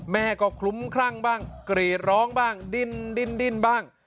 แม่ก็คลุ้มคลั่งบ้างกรีดร้องบ้างดิ้นบ้าง